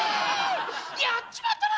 やっちまったなぁ！